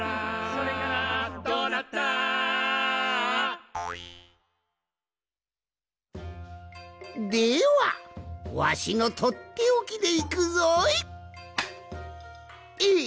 「どうなった？」ではわしのとっておきでいくぞい！え